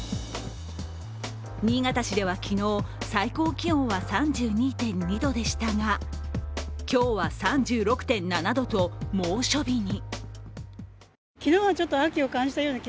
新潟市では昨日、最高気温は３２．２度でしたが今日は、３６．７度と、猛暑日に。